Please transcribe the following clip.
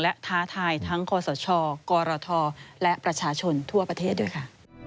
และท้าทายทั้งคศกรทและประชาชนทั่วประเทศด้วยค่ะ